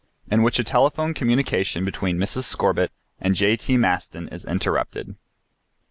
IN WHICH A TELEPHONE COMMUNICATION BETWEEN MRS. SCORBITT AND J.T. MASTON IS INTERRUPTED.